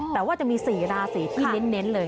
แต่ว่าจะมี๔ราศีที่เน้นเลย